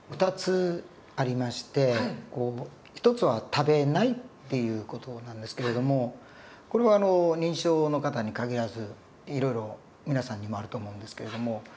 ２つありまして一つは食べないっていう事なんですけれどもこれは認知症の方に限らずいろいろ皆さんにもあると思うんですけれども。